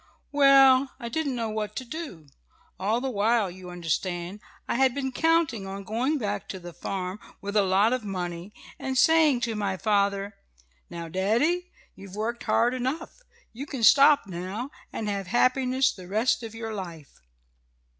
"Well, I didn't know what to do. All the while, you understand, I had been counting on going back to the farm, with a lot of money, and saying to my father: 'Now, daddy, you've worked hard enough. You can stop now, and have happiness the rest of your life.'